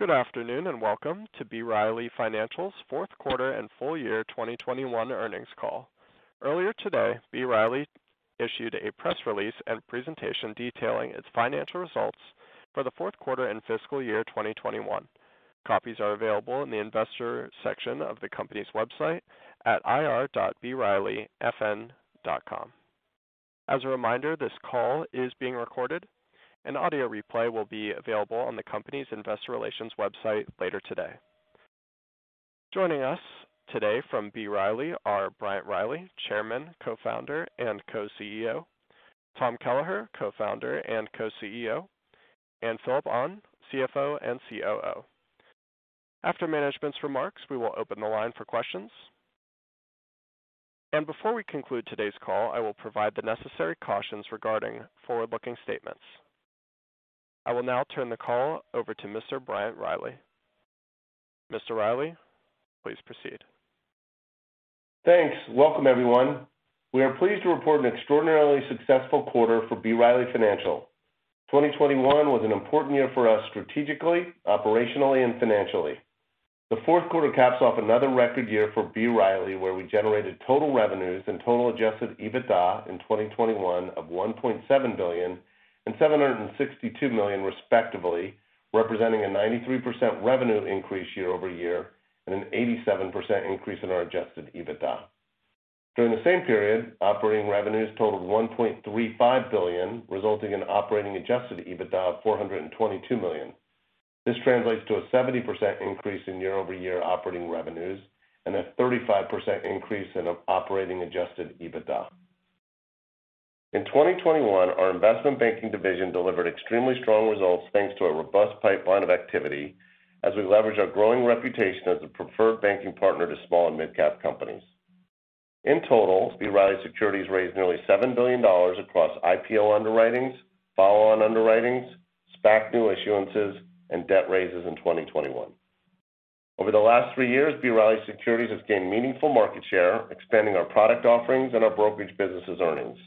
Good afternoon, and welcome to B. Riley Financial's fourth quarter and full year 2021 earnings call. Earlier today, B. Riley issued a press release and presentation detailing its financial results for the fourth quarter and fiscal year 2021. Copies are available in the investor section of the company's website at ir.brileyfin.com. As a reminder, this call is being recorded. An audio replay will be available on the company's investor relations website later today. Joining us today from B. Riley are Bryant Riley, Chairman, Co-Founder and Co-CEO, Tom Kelleher, Co-Founder and Co-CEO, and Phillip Ahn, CFO and COO. After management's remarks, we will open the line for questions. Before we conclude today's call, I will provide the necessary cautions regarding forward-looking statements. I will now turn the call over to Mr. Bryant Riley. Mr. Riley, please proceed. Thanks. Welcome, everyone. We are pleased to report an extraordinarily successful quarter for B. Riley Financial. 2021 was an important year for us strategically, operationally, and financially. The fourth quarter caps off another record year for B. Riley, where we generated total revenues and total adjusted EBITDA in 2021 of $1.7 billion and $762 million respectively, representing a 93% revenue increase year-over-year and an 87% increase in our adjusted EBITDA. During the same period, operating revenues totaled $1.35 billion, resulting in operating adjusted EBITDA of $422 million. This translates to a 70% increase in year-over-year operating revenues and a 35% increase in operating adjusted EBITDA. In 2021, our investment banking division delivered extremely strong results, thanks to a robust pipeline of activity as we leverage our growing reputation as a preferred banking partner to small and mid-cap companies. In total, B. Riley Securities raised nearly $7 billion across IPO underwritings, follow-on underwritings, SPAC new issuances, and debt raises in 2021. Over the last three years, B. Riley Securities has gained meaningful market share, expanding our product offerings and our brokerage business' earnings.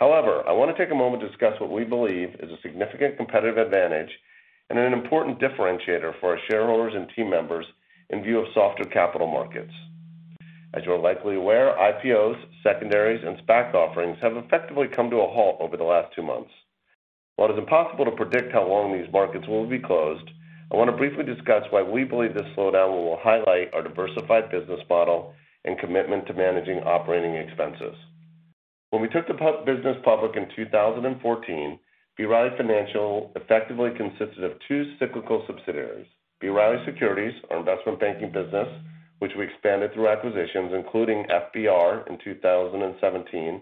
However, I want to take a moment to discuss what we believe is a significant competitive advantage and an important differentiator for our shareholders and team members in view of softer Capital Markets. As you are likely aware, IPOs, secondaries, and SPAC offerings have effectively come to a halt over the last two months. While it is impossible to predict how long these markets will be closed, I want to briefly discuss why we believe this slowdown will highlight our diversified business model and commitment to managing operating expenses. When we took the business public in 2014, B. Riley Financial effectively consisted of two cyclical subsidiaries: B. Riley Securities, our investment banking business, which we expanded through acquisitions, including FBR in 2017,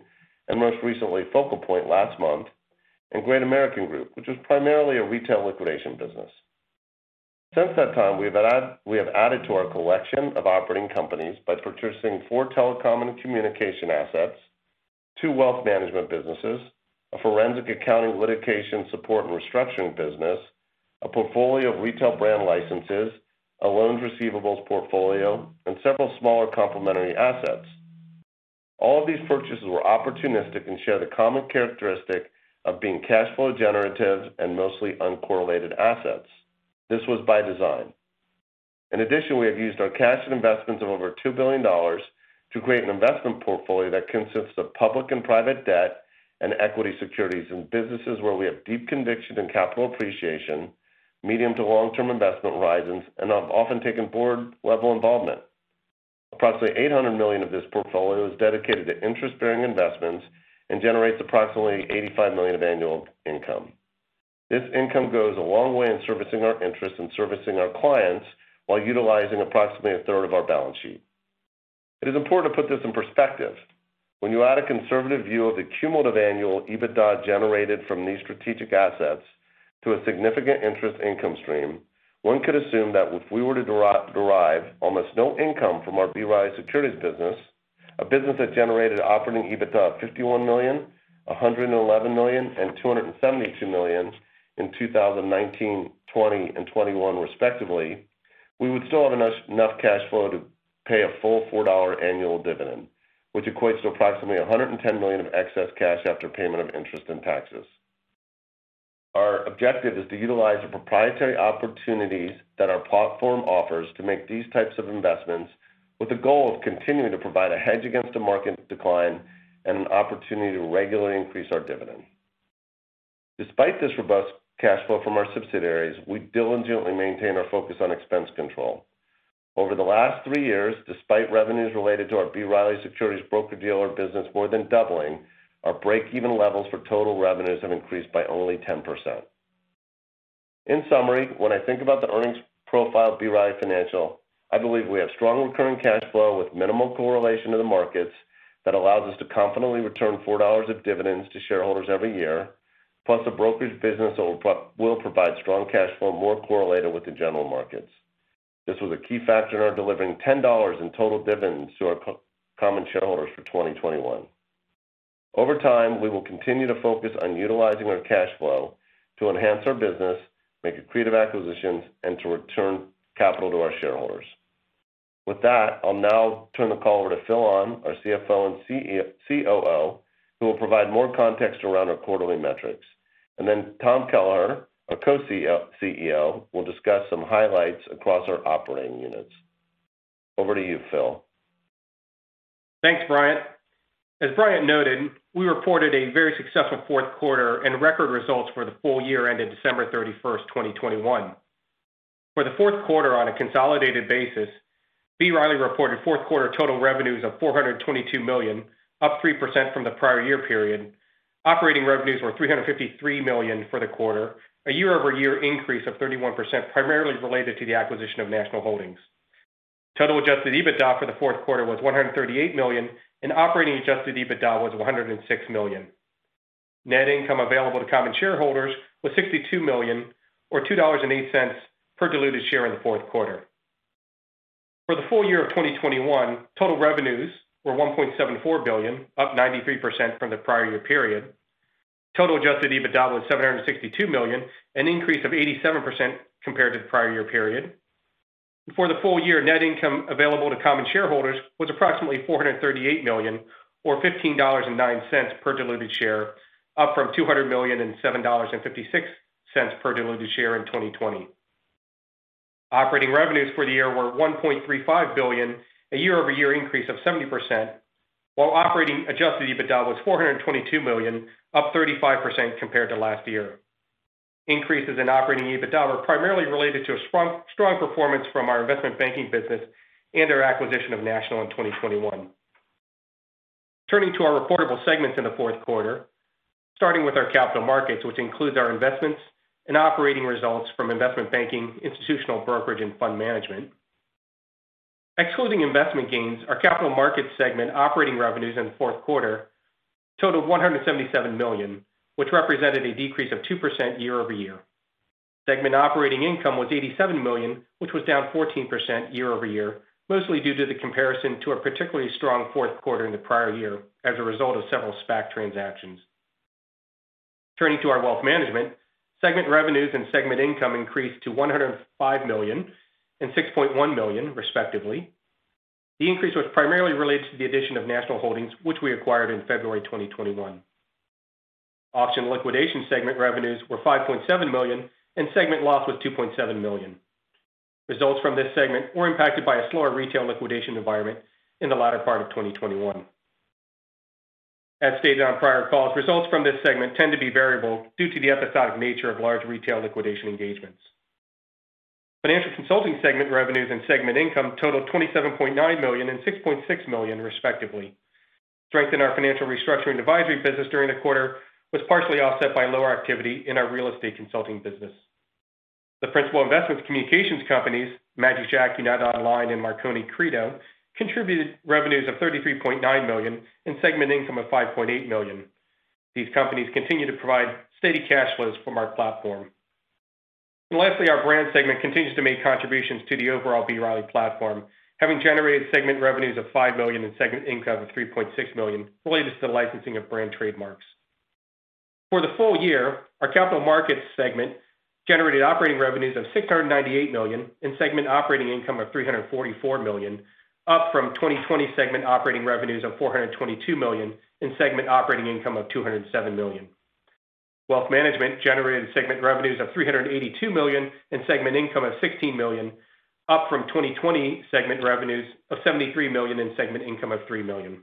and most recently, FocalPoint last month, and Great American Group, which is primarily a retail liquidation business. Since that time, we have added to our collection of operating companies by purchasing four telecom and communication assets, two Wealth Management businesses, a forensic accounting, litigation support, and restructuring business, a portfolio of retail brand licenses, a loans receivables portfolio, and several smaller complementary assets. All of these purchases were opportunistic and share the common characteristic of being cash flow generative and mostly uncorrelated assets. This was by design. In addition, we have used our cash and investments of over $2 billion to create an investment portfolio that consists of public and private debt and equity securities in businesses where we have deep conviction in capital appreciation, medium- to long-term investment horizons, and have often taken board-level involvement. Approximately $800 million of this portfolio is dedicated to interest-bearing investments and generates approximately $85 million of annual income. This income goes a long way in servicing our interests and servicing our clients while utilizing approximately a third of our balance sheet. It is important to put this in perspective. When you add a conservative view of the cumulative annual EBITDA generated from these strategic assets to a significant interest income stream, one could assume that if we were to derive almost no income from our B. Riley Securities business, a business that generated operating EBITDA of $51 million, $111 million, and $272 million in 2019, 2020, and 2021 respectively, we would still have enough cash flow to pay a full $4 annual dividend, which equates to approximately $110 million of excess cash after payment of interest and taxes. Our objective is to utilize the proprietary opportunities that our platform offers to make these types of investments with the goal of continuing to provide a hedge against a market decline and an opportunity to regularly increase our dividend. Despite this robust cash flow from our subsidiaries, we diligently maintain our focus on expense control. Over the last three years, despite revenues related to our B. Riley Securities broker-dealer business more than doubling, our break-even levels for total revenues have increased by only 10%. In summary, when I think about the earnings profile of B. Riley Financial, I believe we have strong recurring cash flow with minimal correlation to the markets that allows us to confidently return $4 of dividends to shareholders every year, plus a brokerage business that will provide strong cash flow more correlated with the general markets. This was a key factor in our delivering $10 in total dividends to our common shareholders for 2021. Over time, we will continue to focus on utilizing our cash flow to enhance our business, make accretive acquisitions, and to return capital to our shareholders. With that, I'll now turn the call over to Phil Ahn, our CFO and COO, who will provide more context around our quarterly metrics. Tom Kelleher, our co-CEO, will discuss some highlights across our operating units. Over to you, Phil. Thanks, Bryant. As Bryant noted, we reported a very successful fourth quarter and record results for the full year ended December 31st, 2021. For the fourth quarter on a consolidated basis, B. Riley reported fourth quarter total revenues of $422 million, up 3% from the prior year period. Operating revenues were $353 million for the quarter, a year-over-year increase of 31% primarily related to the acquisition of National Holdings. Total adjusted EBITDA for the fourth quarter was $138 million and operating adjusted EBITDA was $106 million. Net income available to common shareholders was $62 million or $2.08 per diluted share in the fourth quarter. For the full year of 2021, total revenues were $1.74 billion, up 93% from the prior year period. Total adjusted EBITDA was $762 million, an increase of 87% compared to the prior year period. For the full year, net income available to common shareholders was approximately $438 million or $15.09 per diluted share, up from $200 million and $7.56 per diluted share in 2020. Operating revenues for the year were $1.35 billion, a year-over-year increase of 70%, while operating adjusted EBITDA was $422 million, up 35% compared to last year. Increases in operating EBITDA were primarily related to a strong performance from our investment banking business and our acquisition of National in 2021. Turning to our reportable segments in the fourth quarter, starting with our Capital Markets, which includes our investments and operating results from investment banking, institutional brokerage, and fund management. Excluding investment gains, Capital Markets segment operating revenues in the fourth quarter totaled $177 million, which represented a decrease of 2% year-over-year. Segment operating income was $87 million, which was down 14% year-over-year, mostly due to the comparison to a particularly strong fourth quarter in the prior year as a result of several SPAC transactions. Turning to our Wealth Management, segment revenues and segment income increased to $105 million and $6.1 million, respectively. The increase was primarily related to the addition of National Holdings, which we acquired in February 2021. Auction and Liquidation segment revenues were $5.7 million and segment loss was $2.7 million. Results from this segment were impacted by a slower retail liquidation environment in the latter part of 2021. As stated on prior calls, results from this segment tend to be variable due to the episodic nature of large retail liquidation engagements. Financial Consulting segment revenues and segment income totaled $27.9 million and $6.6 million, respectively. Strength in our financial restructuring advisory business during the quarter was partially offset by lower activity in our real estate consulting business. The Principal Investments - Communications companies, magicJack, United Online, and Marconi CREDO, contributed revenues of $33.9 million and segment income of $5.8 million. These companies continue to provide steady cash flows from our platform. Lastly, our Brands segment continues to make contributions to the overall B. Riley platform, having generated segment revenues of $5 million and segment income of $3.6 million related to the licensing of brand trademarks. For the full year, Capital Markets segment generated operating revenues of $698 million and segment operating income of $344 million, up from 2020 segment operating revenues of $422 million and segment operating income of $207 million. Wealth Management generated segment revenues of $382 million and segment income of $16 million, up from 2020 segment revenues of $73 million and segment income of $3 million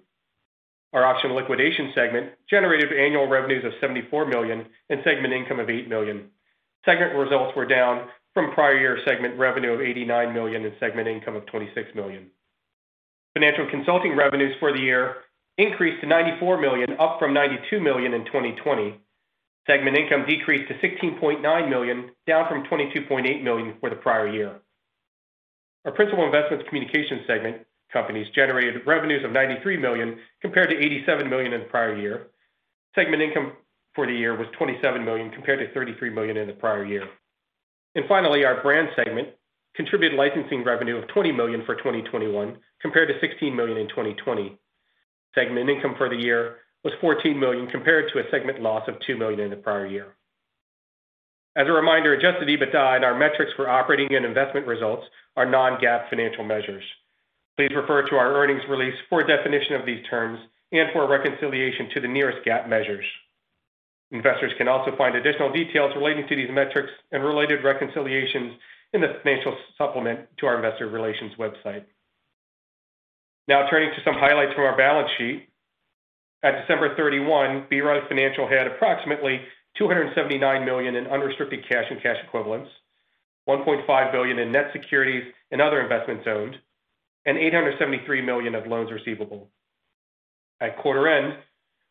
Auction and Liquidation segment generated annual revenues of $74 million and segment income of $8 million. Segment results were down from prior year segment revenue of $89 million and segment income of $26 million. Financial Consulting revenues for the year increased to $94 million, up from $92 million in 2020. Segment income decreased to $16.9 million, down from $22.8 million for the prior year. Our Principal Investments - Communications segment companies generated revenues of $93 million compared to $87 million in the prior year. Segment income for the year was $27 million compared to $33 million in the prior year. Finally, our Brands segment contributed licensing revenue of $20 million for 2021 compared to $16 million in 2020. Segment income for the year was $14 million compared to a segment loss of $2 million in the prior year. As a reminder, adjusted EBITDA and our metrics for operating and investment results are non-GAAP financial measures. Please refer to our earnings release for a definition of these terms and for a reconciliation to the nearest GAAP measures. Investors can also find additional details relating to these metrics and related reconciliations in the financial supplement to our investor relations website. Now turning to some highlights from our balance sheet. At December 31, B. Riley Financial had approximately $279 million in unrestricted cash and cash equivalents, $1.5 billion in net securities and other investments owned, and $873 million of loans receivable. At quarter end,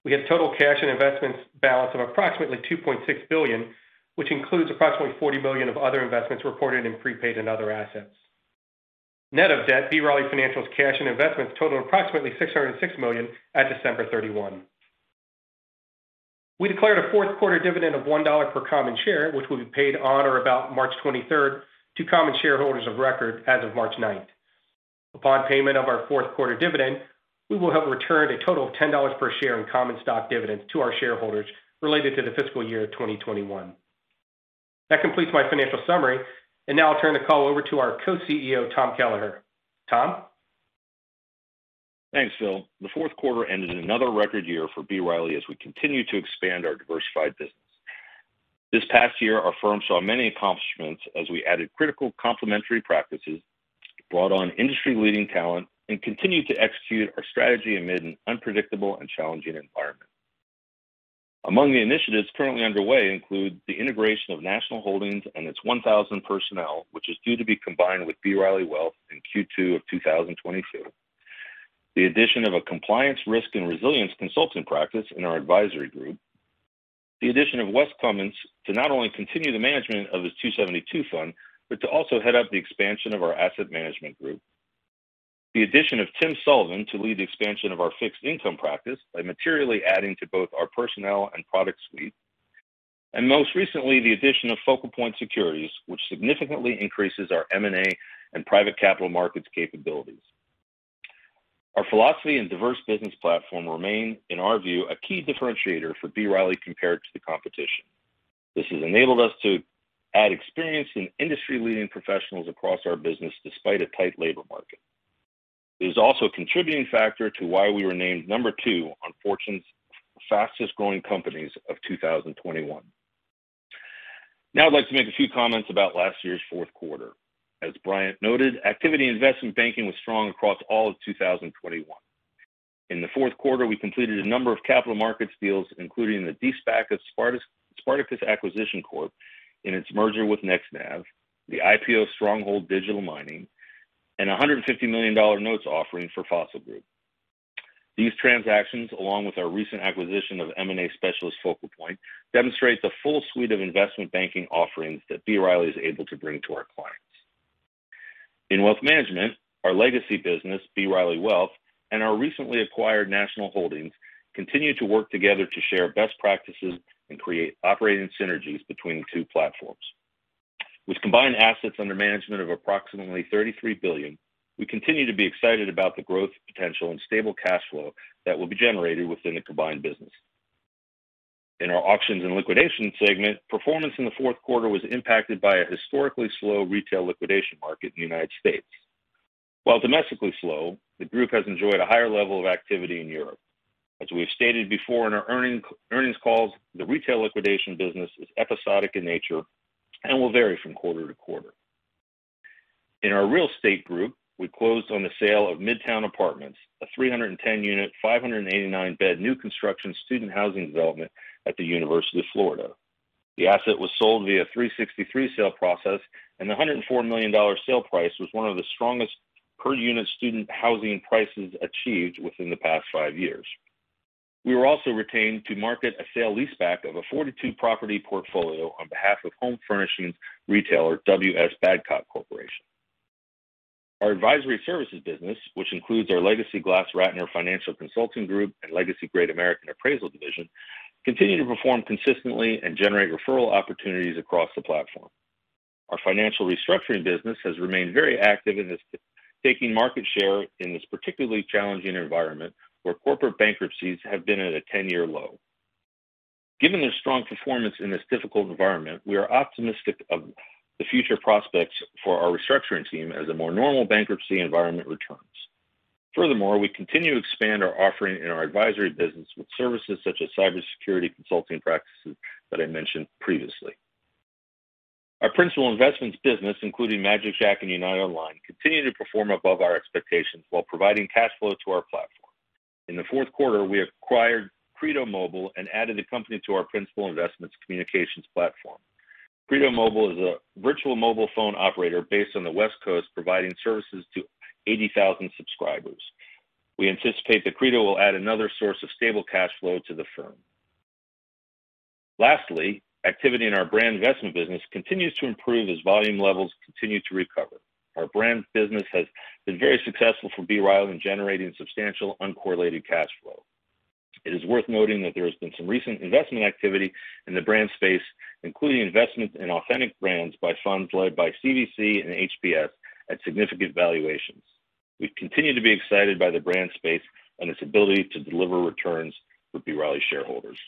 we had total cash and investments balance of approximately $2.6 billion, which includes approximately $40 million of other investments reported in prepaid and other assets. Net of debt, B. Riley Financial's cash and investments total approximately $606 million at December 31. We declared a fourth quarter dividend of $1 per common share, which will be paid on or about March 23rd to common shareholders of record as of March 9th. Upon payment of our fourth quarter dividend, we will have returned a total of $10 per share in common stock dividends to our shareholders related to the fiscal year of 2021. That completes my financial summary, and now I'll turn the call over to our Co-CEO, Tom Kelleher. Tom? Thanks, Phil. The fourth quarter ended another record year for B. Riley as we continue to expand our diversified business. This past year, our firm saw many accomplishments as we added critical complementary practices, brought on industry-leading talent, and continued to execute our strategy amid an unpredictable and challenging environment. Among the initiatives currently underway include the integration of National Holdings and its 1,000 personnel, which is due to be combined with B. Riley Wealth in Q2 of 2022. The addition of a compliance, risk, and resilience consulting practice in our advisory group. The addition of Wes Cummins to not only continue the management of his 272 Fund, but to also head up the expansion of our asset management group. The addition of Tim Sullivan to lead the expansion of our fixed income practice by materially adding to both our personnel and product suite. Most recently, the addition of FocalPoint Securities, which significantly increases our M&A and private Capital Markets capabilities. Our philosophy and diverse business platform remain, in our view, a key differentiator for B. Riley compared to the competition. This has enabled us to add experienced industry-leading professionals across our business, despite a tight labor market. It is also a contributing factor to why we were named number two on Fortune's Fastest-Growing Companies of 2021. Now I'd like to make a few comments about last year's fourth quarter. As Bryant noted, activity in investment banking was strong across all of 2021. In the fourth quarter, we completed a number of Capital Markets deals, including the de-SPAC of Spartacus Acquisition Corp in its merger with NextNav, the IPO of Stronghold Digital Mining, and a $150 million notes offering for Fossil Group. These transactions, along with our recent acquisition of M&A specialist FocalPoint, demonstrate the full suite of investment banking offerings that B. Riley is able to bring to our clients. In Wealth Management, our legacy business, B. Riley Wealth, and our recently acquired National Holdings, continue to work together to share best practices and create operating synergies between the two platforms. With combined assets under management of approximately $33 billion, we continue to be excited about the growth potential and stable cash flow that will be generated within the combined business. In our Auctions and Liquidation segment, performance in the fourth quarter was impacted by a historically slow retail liquidation market in the United States. While domestically slow, the group has enjoyed a higher level of activity in Europe. As we have stated before in our earnings calls, the retail liquidation business is episodic in nature and will vary from quarter to quarter. In our real estate group, we closed on the sale of Midtown Apartments, a 310-unit, 589-bed new construction student housing development at the University of Florida. The asset was sold via a 363 sale process, and the $104 million sale price was one of the strongest per unit student housing prices achieved within the past five years. We were also retained to market a sale-leaseback of a 42-property portfolio on behalf of home furnishings retailer W.S. Badcock Corporation. Our advisory services business, which includes our legacy GlassRatner Financial Consulting Group and legacy Great American Appraisal Division, continue to perform consistently and generate referral opportunities across the platform. Our financial restructuring business has remained very active and is taking market share in this particularly challenging environment where corporate bankruptcies have been at a 10-year low. Given their strong performance in this difficult environment, we are optimistic of the future prospects for our restructuring team as a more normal bankruptcy environment returns. Furthermore, we continue to expand our offering in our advisory business with services such as cybersecurity consulting practices that I mentioned previously. Our Principal Investments business, including magicJack and United Online, continue to perform above our expectations while providing cash flow to our platform. In the fourth quarter, we acquired CREDO Mobile and added the company to our Principal Investments - Communications platform. CREDO Mobile is a virtual mobile phone operator based on the West Coast, providing services to 80,000 subscribers. We anticipate that CREDO will add another source of stable cash flow to the firm. Lastly, activity in our Brand investment business continues to improve as volume levels continue to recover. Our Brand business has been very successful for B. Riley in generating substantial uncorrelated cash flow. It is worth noting that there has been some recent investment activity in the brand space, including investments in Authentic Brands by funds led by CVC and HPS at significant valuations. We continue to be excited by the brand space and its ability to deliver returns for B. Riley shareholders.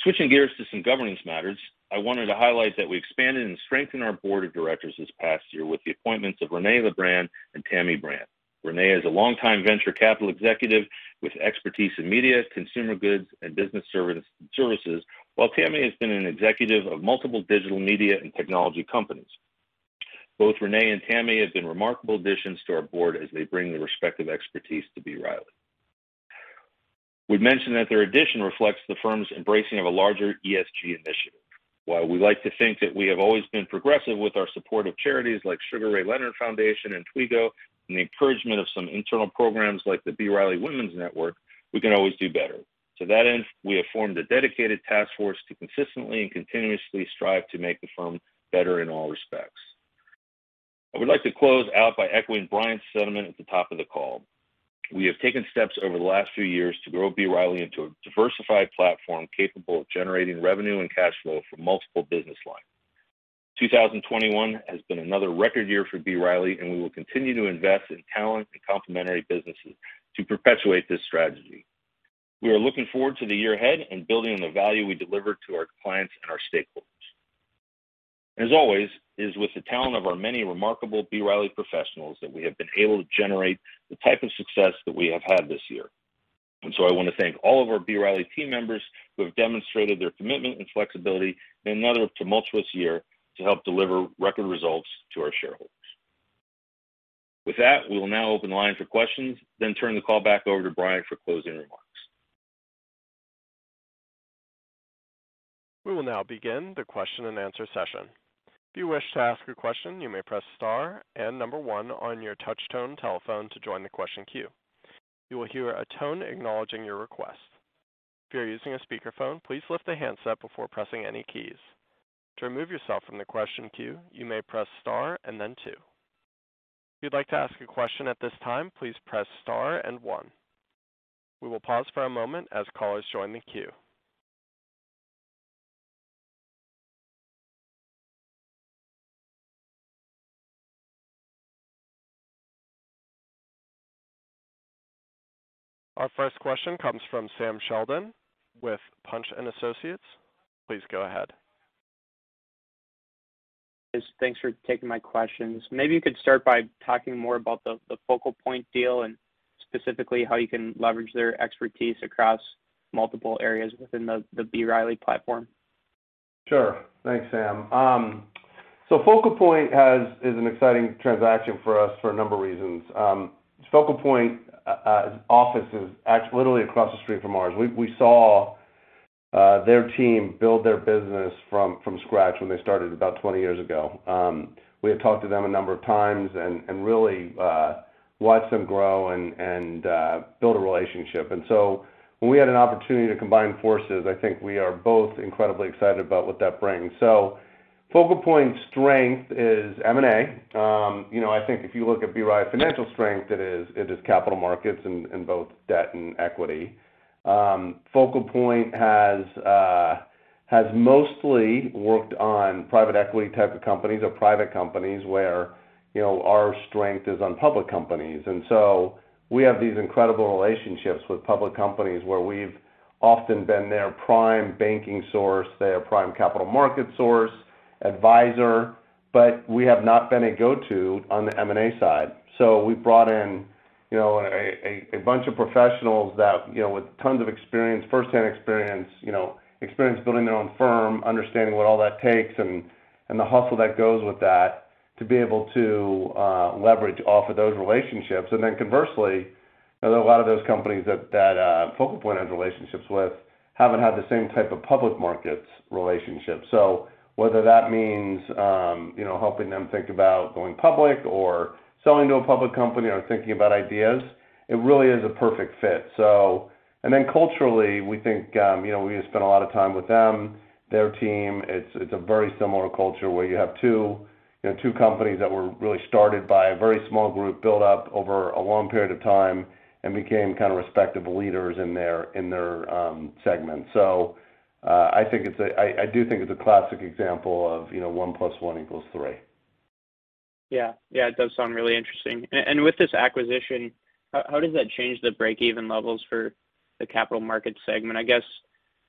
Switching gears to some governance matters, I wanted to highlight that we expanded and strengthened our board of directors this past year with the appointments of Renée LaBran and Tammy Brandt. Renée is a long-time venture capital executive with expertise in media, consumer goods, and business services, while Tammy has been an executive of multiple digital media and technology companies. Both Renée and Tammy have been remarkable additions to our board as they bring their respective expertise to B. Riley. We've mentioned that their addition reflects the firm's embracing of a larger ESG initiative. While we like to think that we have always been progressive with our support of charities like Sugar Ray Leonard Foundation and Toigo, and the encouragement of some internal programs like the B. Riley Women's Network, we can always do better. To that end, we have formed a dedicated task force to consistently and continuously strive to make the firm better in all respects. I would like to close out by echoing Bryant's sentiment at the top of the call. We have taken steps over the last few years to grow B. Riley into a diversified platform capable of generating revenue and cash flow from multiple business lines. 2021 has been another record year for B. Riley, and we will continue to invest in talent and complementary businesses to perpetuate this strategy. We are looking forward to the year ahead and building on the value we deliver to our clients and our stakeholders. As always, it is with the talent of our many remarkable B. Riley professionals that we have been able to generate the type of success that we have had this year. I want to thank all of our B. Riley team members who have demonstrated their commitment and flexibility in another tumultuous year to help deliver record results to our shareholders. With that, we will now open the line for questions, then turn the call back over to Bryant for closing remarks. We will now begin the question and answer session. If you wish to ask a question, you may press star and number one on your touchtone telephone to join the question queue. You will hear a tone acknowledging your request. If you're using a speakerphone, please lift the handset before pressing any keys. To remove yourself from the question queue, you may press star and then two. If you'd like to ask a question at this time, please press star and one. We will pause for a moment as callers join the queue. Our first question comes from Sam Sheldon with Punch & Associates. Please go ahead. Yes, thanks for taking my questions. Maybe you could start by talking more about the FocalPoint deal and specifically how you can leverage their expertise across multiple areas within the B. Riley platform. Sure. Thanks, Sam. FocalPoint is an exciting transaction for us for a number of reasons. FocalPoint office is literally across the street from ours. We saw their team build their business from scratch when they started about 20 years ago. We had talked to them a number of times and really watched them grow and build a relationship. When we had an opportunity to combine forces, I think we are both incredibly excited about what that brings. FocalPoint's strength is M&A. You know, I think if you look at B. Riley Financial strength, it is Capital Markets in both debt and equity. FocalPoint has mostly worked on private equity type of companies or private companies where, you know, our strength is on public companies. We have these incredible relationships with public companies where we've often been their prime banking source, their prime capital market source, advisor, but we have not been a go-to on the M&A side. We brought in, you know, a bunch of professionals that, you know, with tons of experience, first-hand experience, you know, experience building their own firm, understanding what all that takes and the hustle that goes with that to be able to leverage off of those relationships. Conversely, you know, a lot of those companies that FocalPoint has relationships with haven't had the same type of public markets relationships. Whether that means, you know, helping them think about going public or selling to a public company or thinking about ideas, it really is a perfect fit. Culturally, we think, you know, we spent a lot of time with them, their team. It's a very similar culture where you have two, you know, companies that were really started by a very small group, built up over a long period of time and became kind of respective leaders in their segment. I think it's a classic example of, you know, one plus one equals three. Yeah. Yeah, it does sound really interesting. With this acquisition, how does that change the break-even levels for Capital Markets segment? i guess,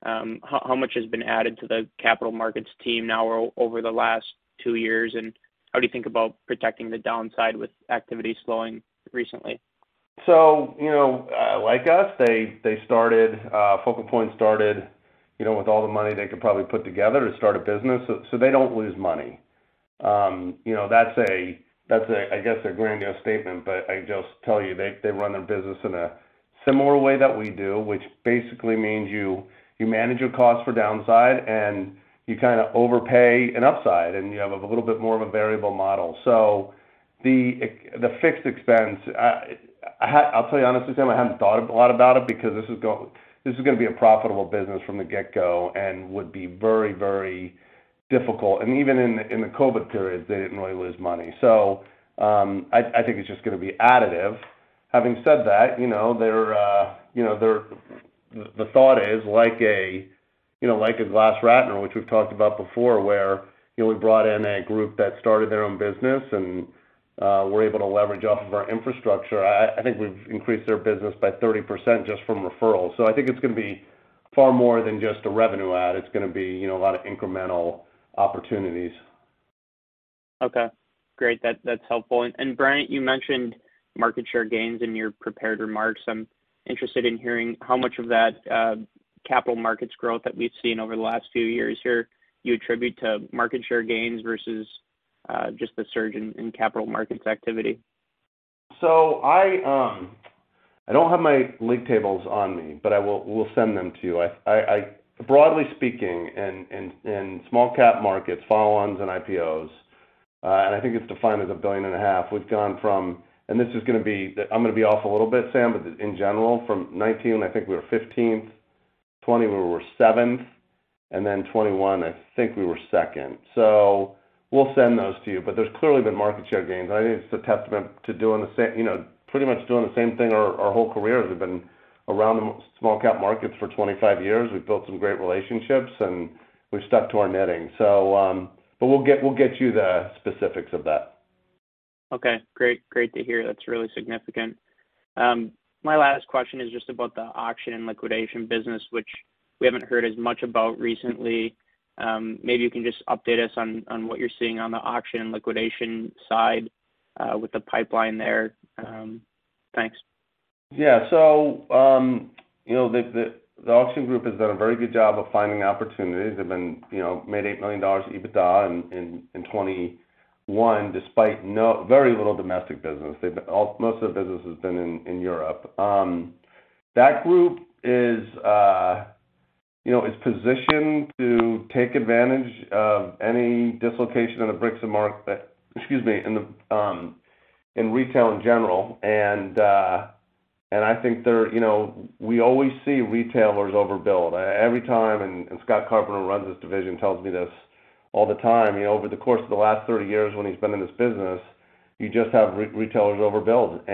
how much has been added to the Capital Markets team now over the last two years, and how do you think about protecting the downside with activity slowing recently? You know, like us, they started. FocalPoint started, you know, with all the money they could probably put together to start a business, so they don't lose money. You know, that's a I guess a grandiose statement, but I just tell you, they run their business in a similar way that we do, which basically means you manage your cost for downside and you kinda overpay an upside, and you have a little bit more of a variable model. The fixed expense, I'll tell you honestly, Sam, I haven't thought a lot about it because this is gonna be a profitable business from the get-go and would be very, very difficult. Even in the COVID period, they didn't really lose money. I think it's just gonna be additive. Having said that, you know, the thought is like a GlassRatner, which we've talked about before, where, you know, we brought in a group that started their own business and we're able to leverage off of our infrastructure. I think we've increased their business by 30% just from referrals. I think it's gonna be far more than just a revenue add. It's gonna be, you know, a lot of incremental opportunities. Okay. Great. That's helpful. Bryant, you mentioned market share gains in your prepared remarks. I'm interested in hearing how much of that Capital Markets growth that we've seen over the last few years here you attribute to market share gains versus just the surge in Capital Markets activity. I don't have my league tables on me, but we'll send them to you. I broadly speaking in small-cap markets, follow-ons and IPOs, and I think it's defined as $1.5 billion, we've gone from. I'm gonna be off a little bit, Sam, but in general, from 2019, I think we were 15th, 2020, we were seventh, and then 2021, I think we were second. We'll send those to you. But there's clearly been market share gains. I think it's a testament to you know, pretty much doing the same thing our whole careers. We've been around the small-cap markets for 25 years. We've built some great relationships, and we've stuck to our knitting. We'll get you the specifics of that. Okay, great. Great to hear. That's really significant. My last question is just about the Auction and Liquidation business, which we haven't heard as much about recently. Maybe you can just update us on what you're seeing on the Auction and Liquidation side, with the pipeline there. Thanks. The auction group has done a very good job of finding opportunities. They've made $8 million EBITDA in 2021, despite very little domestic business. Most of the business has been in Europe. That group is positioned to take advantage of any dislocation in retail in general. I think they're gonna be ready for that. You know, we always see retailers overbuild. Every time, and Scott Carpenter who runs this division tells me this all the time, you know, over the course of the last 30 years when he's been in this business, you just have retailers overbuild.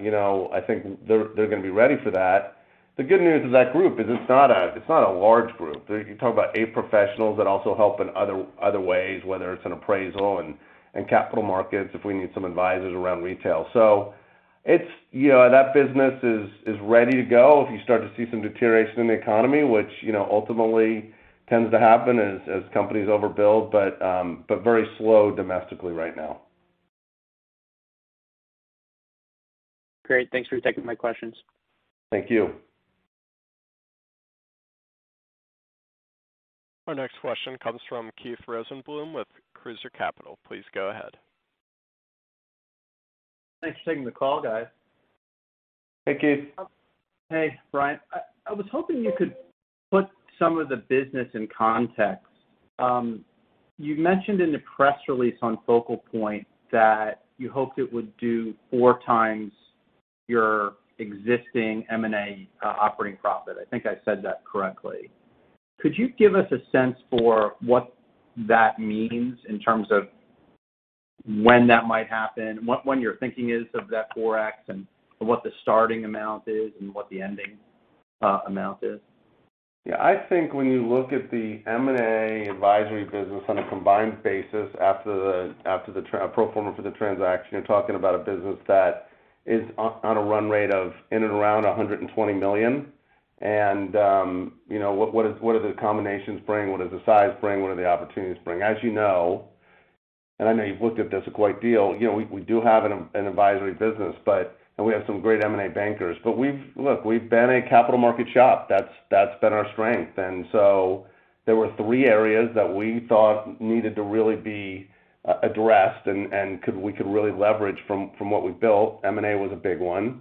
You know, I think they're gonna be ready for that. The good news is that group is. It's not a large group. You're talking about eight professionals that also help in other ways, whether it's in Appraisal and Capital Markets, if we need some advisors around retail. It's you know, that business is ready to go if you start to see some deterioration in the economy, which you know, ultimately tends to happen as companies overbuild, but very slow domestically right now. Great. Thanks for taking my questions. Thank you. Our next question comes from Keith Rosenbloom with Cruiser Capital. Please go ahead. Thanks for taking the call, guys. Hey, Keith. Hey, Bryant. I was hoping you could put some of the business in context. You mentioned in the press release on FocalPoint that you hoped it would do 4x your existing M&A operating profit. I think I said that correctly. Could you give us a sense for what that means in terms of when that might happen, what when you're thinking is of that 4x and what the starting amount is and what the ending amount is? Yeah. I think when you look at the M&A advisory business on a combined basis after the pro forma for the transaction, you're talking about a business that is on a run rate of in and around $120 million. You know, what is, what do the combinations bring, what does the size bring, what do the opportunities bring? As you know, and I know you've looked at this a great deal, you know, we do have an advisory business, and we have some great M&A bankers. Look, we've been a capital market shop. That's been our strength. There were three areas that we thought needed to really be addressed and we could really leverage from what we've built. M&A was a big one,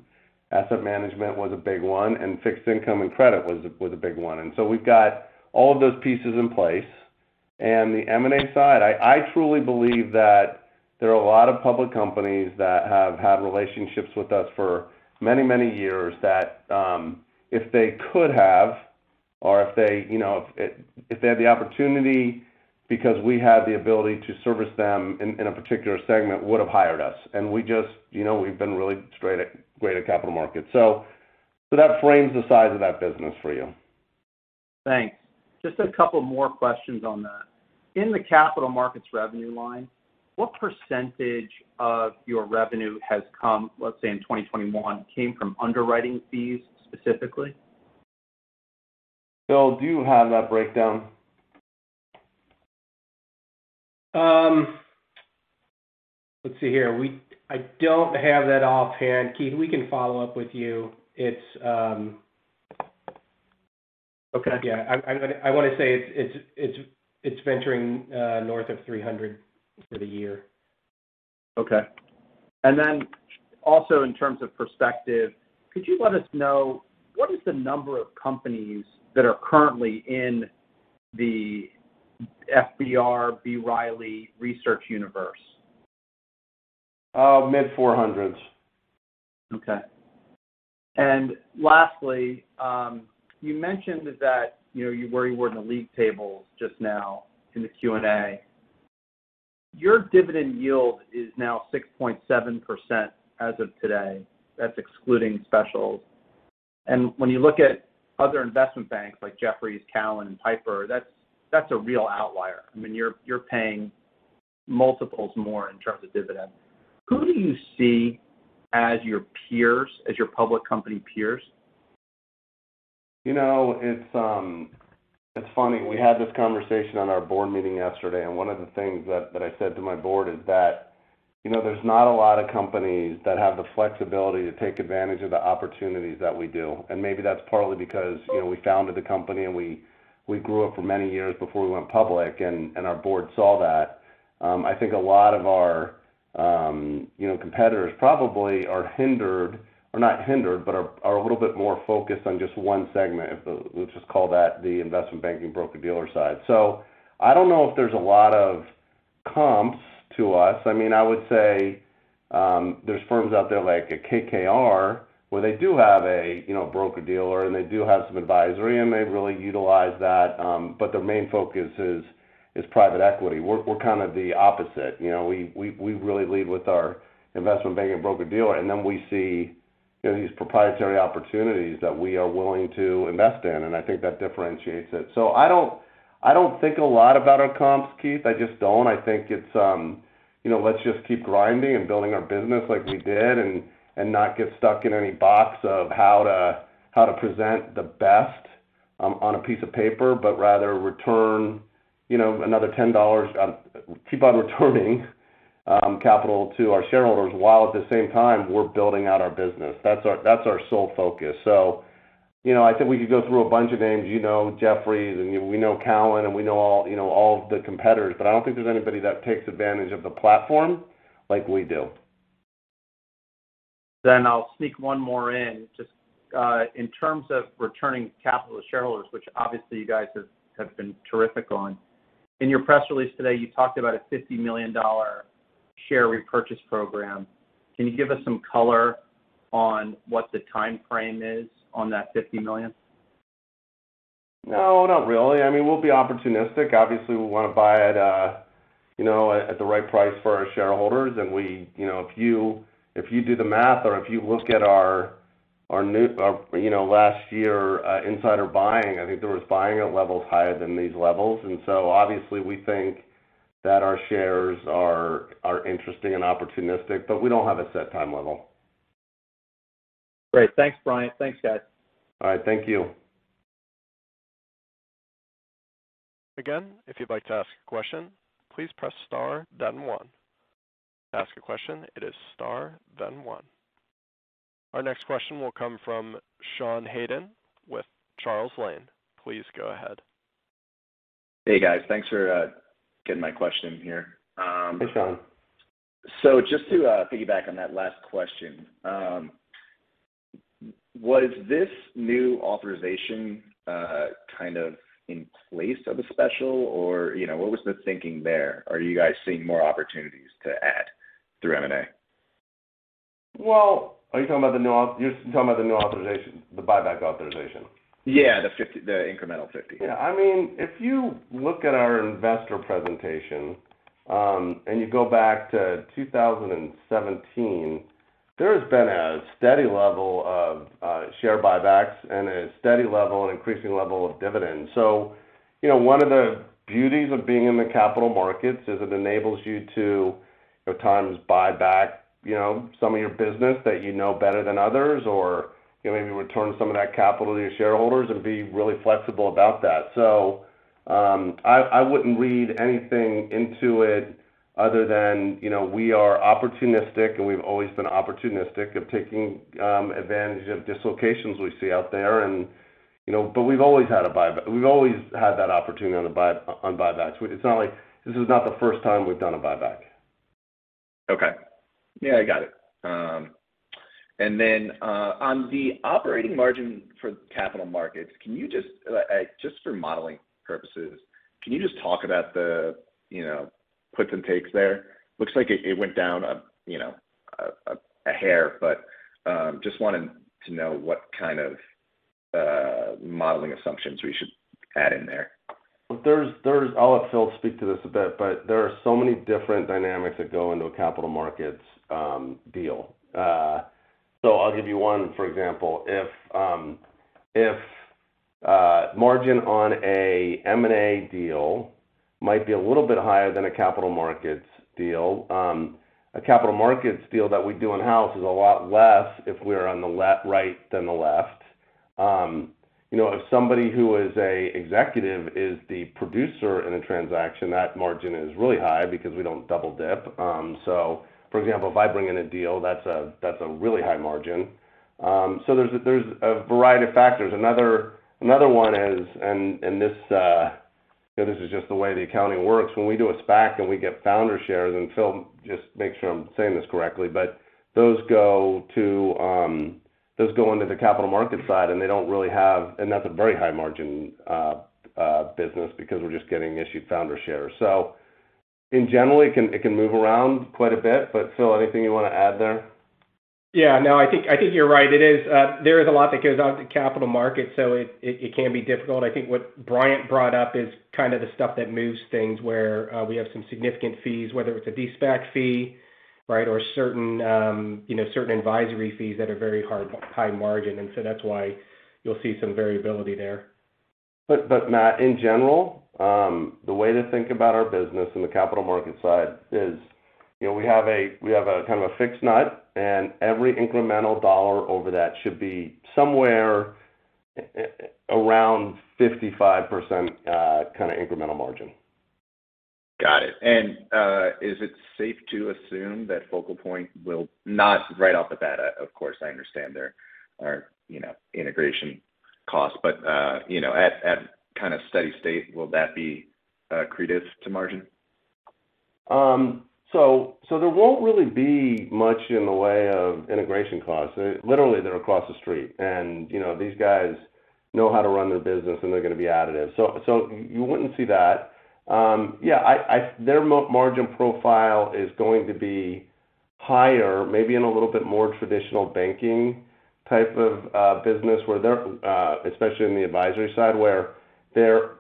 asset management was a big one, and fixed income and credit was a big one. We've got all of those pieces in place. The M&A side, I truly believe that there are a lot of public companies that have had relationships with us for many, many years that, if they could have or if they, you know, if they had the opportunity because we had the ability to service them in a particular segment, would have hired us. We just, you know, we've been really great at Capital Markets. That frames the size of that business for you. Thanks. Just a couple more questions on that. In the Capital Markets revenue line, what percentage of your revenue has come, let's say, in 2021, came from underwriting fees specifically? Phil, do you have that breakdown? Let's see here. I don't have that offhand, Keith. We can follow up with you. Okay. Yeah. I wanna say it's venturing north of $300 for the year. Okay. Also in terms of perspective, could you let us know what is the number of companies that are currently in the FBR B. Riley research universe? Mid-400s. Okay. Lastly, you mentioned that where you were in the league tables just now in the Q&A. Your dividend yield is now 6.7% as of today. That's excluding specials. When you look at other investment banks like Jefferies, Cowen, and Piper, that's a real outlier. I mean, you're paying multiples more in terms of dividends. Who do you see as your peers, as your public company peers? You know, it's funny, we had this conversation on our board meeting yesterday, and one of the things that I said to my board is that, you know, there's not a lot of companies that have the flexibility to take advantage of the opportunities that we do. Maybe that's partly because, you know, we founded the company and we grew it for many years before we went public, and our board saw that. I think a lot of our, you know, competitors probably are hindered, or not hindered, but are a little bit more focused on just one segment. Let's just call that the investment banking broker-dealer side. I don't know if there's a lot of comps to us. I mean, I would say, there's firms out there like a KKR where they do have a, you know, broker-dealer and they do have some advisory and they really utilize that, but their main focus is private equity. We're kind of the opposite. You know, we really lead with our investment banking and broker-dealer, and then we see, you know, these proprietary opportunities that we are willing to invest in, and I think that differentiates it. I don't think a lot about our comps, Keith. I just don't. I think it's, you know, let's just keep grinding and building our business like we did and not get stuck in any box of how to present the best on a piece of paper, but rather return, you know, another $10, keep on returning capital to our shareholders, while at the same time, we're building out our business. That's our sole focus. You know, I think we could go through a bunch of names. You know Jefferies, and we know Cowen, and we know all, you know, all of the competitors, but I don't think there's anybody that takes advantage of the platform like we do. I'll sneak one more in. Just in terms of returning capital to shareholders, which obviously you guys have been terrific on. In your press release today, you talked about a $50 million share repurchase program. Can you give us some color on what the timeframe is on that $50 million? No, not really. I mean, we'll be opportunistic. Obviously, we wanna buy it, you know, at the right price for our shareholders. You know, if you do the math or if you look at our last year insider buying, I think there was buying at levels higher than these levels. Obviously we think that our shares are interesting and opportunistic, but we don't have a set time level. Great. Thanks, Bryant. Thanks, guys. All right. Thank you. Again, if you'd like to ask a question, please press star then one. To ask a question, it is star then one. Our next question will come from Sean Haydon with Charles Lane. Please go ahead. Hey, guys. Thanks for getting my question here. Hey, Sean. Just to piggyback on that last question, was this new authorization kind of in place of a special or, you know, what was the thinking there? Are you guys seeing more opportunities to add through M&A? Well, you're talking about the new authorization, the buyback authorization? Yeah, the incremental 50%. Yeah. I mean, if you look at our investor presentation, and you go back to 2017, there has been a steady level of share buybacks and a steady level and increasing level of dividends. You know, one of the beauties of being in the capital markets is it enables you to at times buy back, you know, some of your business that you know better than others or, you know, maybe return some of that capital to your shareholders and be really flexible about that. I wouldn't read anything into it other than, you know, we are opportunistic, and we've always been opportunistic of taking advantage of dislocations we see out there and, you know. We've always had a buyback. We've always had that opportunity on buybacks. It's not like. This is not the first time we've done a buyback. Okay. Yeah, I got it. On the operating margin for Capital Markets, just for modeling purposes, can you just talk about the, you know, puts and takes there? Looks like it went down a hair, but just wanting to know what kind of modeling assumptions we should add in there. I'll let Phil speak to this a bit, but there are so many different dynamics that go into a Capital Markets deal. I'll give you one for example. If margin on an M&A deal might be a little bit higher than a Capital Markets deal, a Capital Markets deal that we do in-house is a lot less if we're on the right than the left. You know, if somebody who is an executive is the producer in a transaction, that margin is really high because we don't double-dip. For example, if I bring in a deal, that's a really high margin. There's a variety of factors. Another one is this, you know, this is just the way the accounting works. When we do a SPAC and we get founder shares, and Phil, just make sure I'm saying this correctly, but those go into the capital market side. That's a very high margin business because we're just getting issued founder shares. In general, it can move around quite a bit. Phil, anything you wanna add there? Yeah. No, I think you're right. There is a lot that goes on to Capital Markets, so it can be difficult. I think what Bryant brought up is kind of the stuff that moves things where we have some significant fees, whether it's a de-SPAC fee, right, or certain advisory fees that are very hard, high margin. That's why you'll see some variability there. That, in general, the way to think about our business in the capital market side is, you know, we have a kind of a fixed nut, and every incremental dollar over that should be somewhere around 55% kind of incremental margin. Got it. Is it safe to assume that FocalPoint will. Not right off the bat, of course, I understand there are, you know, integration costs, but, you know, at kind of steady state, will that be accretive to margin? There won't really be much in the way of integration costs. Literally, they're across the street. You know, these guys know how to run their business, and they're gonna be additive. You wouldn't see that. Yeah, I. Their margin profile is going to be higher, maybe in a little bit more traditional banking type of business where they're especially in the advisory side, where their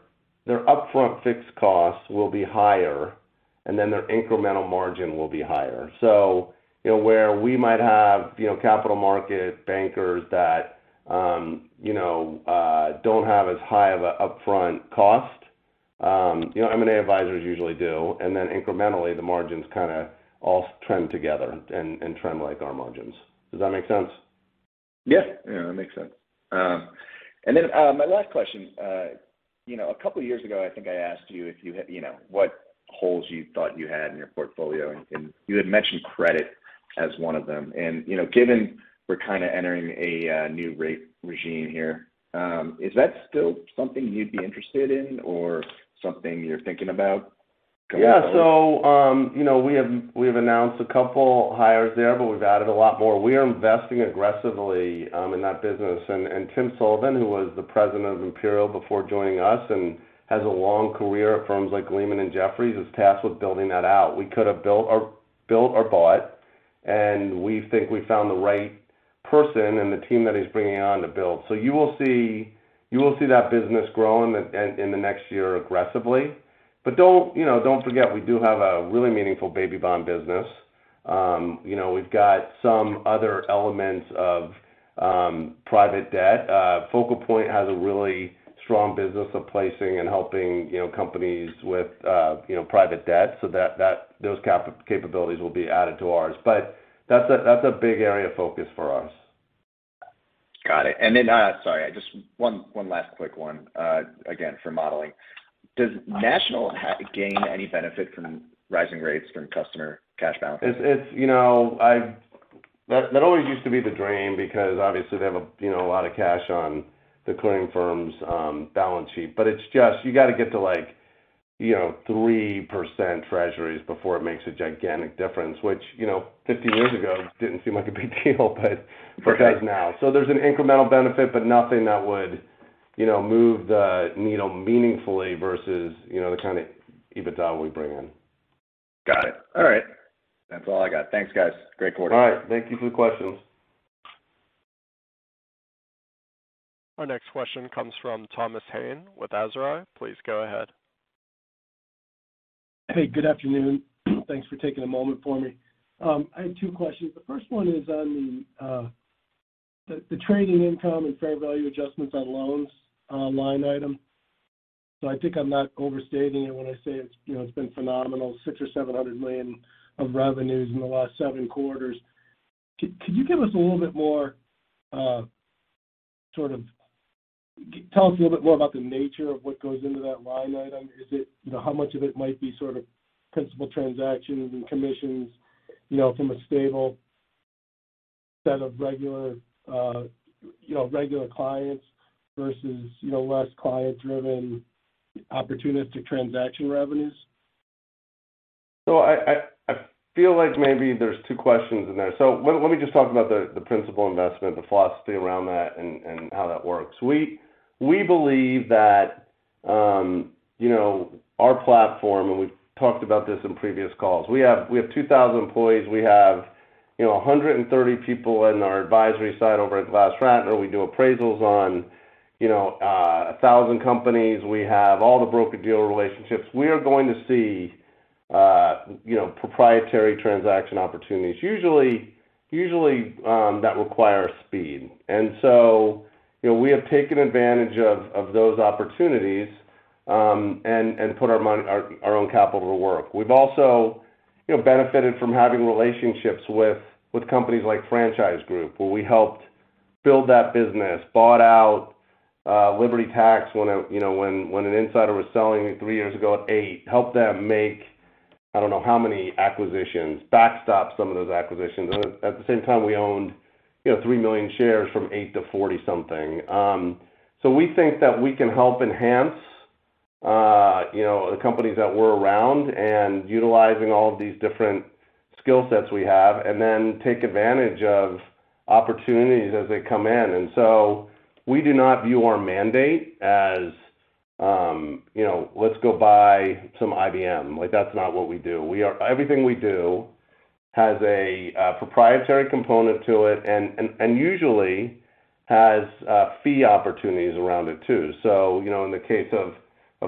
upfront fixed costs will be higher, and then their incremental margin will be higher. You know, where we might have, you know, capital market bankers that, you know, don't have as high of a upfront cost, you know, M&A advisors usually do, and then incrementally the margins kinda all trend together and trend like our margins. Does that make sense? Yeah. Yeah, that makes sense. Then, my last question. You know, a couple years ago, I think I asked you if you had, you know, what holes you thought you had in your portfolio, and you had mentioned credit as one of them. You know, given we're kinda entering a new rate regime here, is that still something you'd be interested in or something you're thinking about going forward? Yeah. You know, we have announced a couple hires there, but we've added a lot more. We are investing aggressively in that business. Tim Sullivan, who was the president of Imperial before joining us and has a long career at firms like Lehman and Jefferies, is tasked with building that out. We could have built or bought, and we think we found the right person and the team that he's bringing on to build. You will see that business grow in the next year aggressively. But, you know, don't forget we do have a really meaningful baby bond business. You know, we've got some other elements of private debt. FocalPoint has a really strong business of placing and helping, you know, companies with, you know, private debt so that those capabilities will be added to ours. That's a big area of focus for us. Got it. Sorry, just one last quick one, again for modeling. Does National gain any benefit from rising rates from customer cash balances? It's you know that always used to be the dream because obviously they have a you know a lot of cash on the clearing firm's balance sheet, but it's just you gotta get to like you know 3% treasuries before it makes a gigantic difference, which you know 15 years ago didn't seem like a big deal but it does now. There's an incremental benefit, but nothing that would, you know, move the needle meaningfully versus, you know, the kind of EBITDA we bring in. Got it. All right. That's all I got. Thanks, guys. Great quarter. All right. Thank you for the questions. Our next question comes from [Thomas Hayes] with Azri. Please go ahead. Hey, good afternoon. Thanks for taking a moment for me. I had two questions. The first one is on the trading income and fair value adjustments on loans line item. I think I'm not overstating it when I say it's, you know, it's been phenomenal, $600 million-$700 million of revenues in the last seven quarters. Could you give us a little bit more. Tell us a little bit more about the nature of what goes into that line item? Is it, you know, how much of it might be sort of principal transactions and commissions, you know, from a stable set of regular clients versus, you know, less client-driven opportunistic transaction revenues? I feel like maybe there's two questions in there. Let me just talk about the Principal Investment, the philosophy around that, and how that works. We believe that our platform, and we've talked about this in previous calls, we have 2,000 employees. We have 130 people in our advisory side over at GlassRatner. We do Appraisals on 1,000 companies. We have all the broker-dealer relationships. We are going to see proprietary transaction opportunities usually that require speed. We have taken advantage of those opportunities and put our own capital to work. We've also benefited from having relationships with companies like Franchise Group, where we helped build that business, bought out Liberty Tax when an insider was selling three years ago at $8, helped them make I don't know how many acquisitions, backstopped some of those acquisitions. At the same time, we owned 3 million shares from $8 to $40-something. We think that we can help enhance the companies that we're around and utilizing all of these different skill sets we have, and then take advantage of opportunities as they come in. We do not view our mandate as, you know, let's go buy some IBM. Like, that's not what we do. We are... Everything we do has a proprietary component to it and usually has fee opportunities around it too. You know, in the case of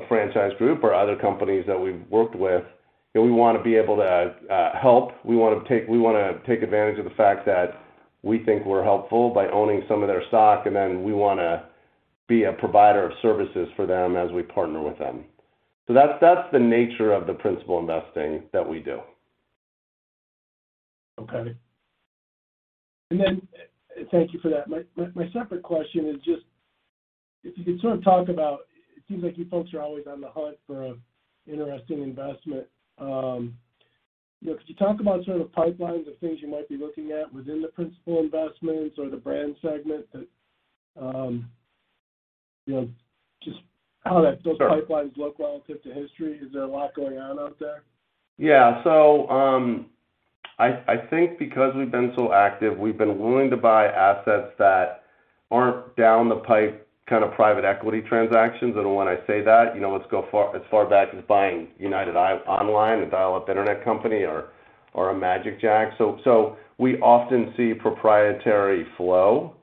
Franchise Group or other companies that we've worked with, you know, we wanna be able to help. We wanna take advantage of the fact that we think we're helpful by owning some of their stock, and then we wanna be a provider of services for them as we partner with them. That's the nature of the principal investing that we do. Okay. Thank you for that. My separate question is just if you could sort of talk about it seems like you folks are always on the hunt for an interesting investment. You know, could you talk about sort of the pipelines of things you might be looking at within the Principal Investments or the Brands segment that you know just how that- Sure. Those pipelines look relative to history? Is there a lot going on out there? I think because we've been so active, we've been willing to buy assets that aren't down the pipe kind of private equity transactions. When I say that, you know, let's go far, as far back as buying United Online, a dial-up internet company or a magicJack. We often see proprietary flow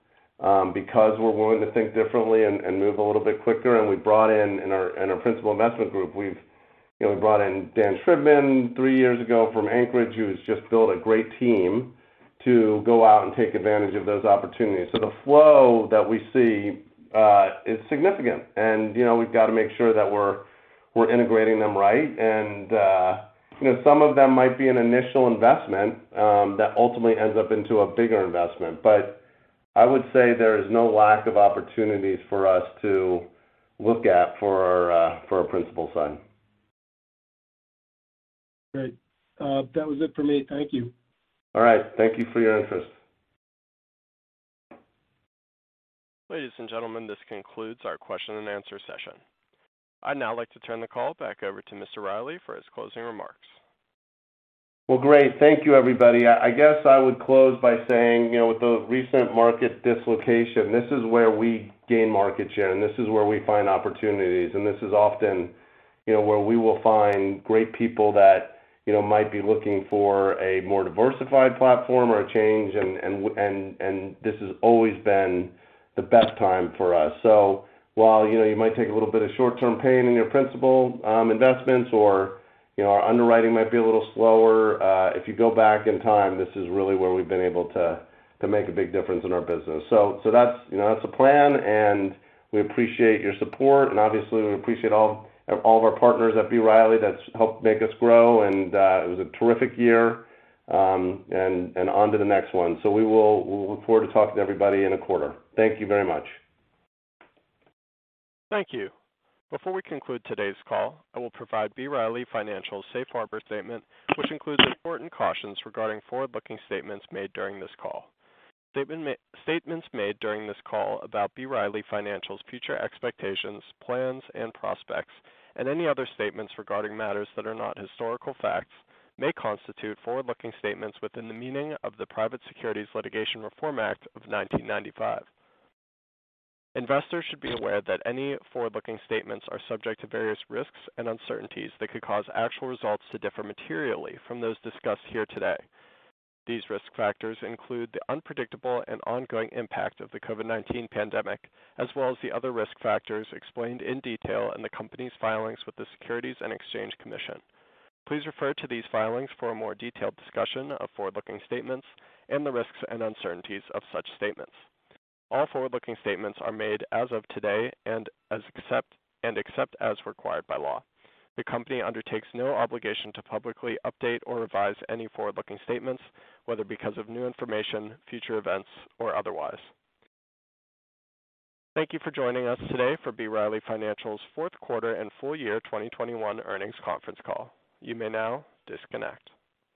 because we're willing to think differently and move a little bit quicker. We brought in our Principal Investment group. We've brought in Dan Shribman three years ago from Anchorage, who has just built a great team to go out and take advantage of those opportunities. The flow that we see is significant. You know, we've got to make sure that we're integrating them right. You know, some of them might be an initial investment that ultimately ends up into a bigger investment. I would say there is no lack of opportunities for us to look at for our principal sum. Great. That was it for me. Thank you. All right. Thank you for your interest. Ladies and gentlemen, this concludes our question-and-answer session. I'd now like to turn the call back over to Mr. Riley for his closing remarks. Well, great. Thank you, everybody. I guess I would close by saying, you know, with the recent market dislocation, this is where we gain market share, and this is where we find opportunities. This is often, you know, where we will find great people that, you know, might be looking for a more diversified platform or a change. This has always been the best time for us. While, you know, you might take a little bit of short-term pain in your principal investments or, you know, our underwriting might be a little slower, if you go back in time, this is really where we've been able to make a big difference in our business. That's, you know, the plan, and we appreciate your support. Obviously, we appreciate all of our partners at B. Riley that's helped make us grow. It was a terrific year, and on to the next one. We look forward to talking to everybody in a quarter. Thank you very much. Thank you. Before we conclude today's call, I will provide B. Riley Financial's Safe Harbor statement, which includes important cautions regarding forward-looking statements made during this call. Statements made during this call about B. Riley Financial's future expectations, plans, and prospects, and any other statements regarding matters that are not historical facts may constitute forward-looking statements within the meaning of the Private Securities Litigation Reform Act of 1995. Investors should be aware that any forward-looking statements are subject to various risks and uncertainties that could cause actual results to differ materially from those discussed here today. These risk factors include the unpredictable and ongoing impact of the COVID-19 pandemic, as well as the other risk factors explained in detail in the company's filings with the Securities and Exchange Commission. Please refer to these filings for a more detailed discussion of forward-looking statements and the risks and uncertainties of such statements. All forward-looking statements are made as of today and except as required by law. The company undertakes no obligation to publicly update or revise any forward-looking statements, whether because of new information, future events, or otherwise. Thank you for joining us today for B. Riley Financial's fourth quarter and full year 2021 earnings conference call. You may now disconnect.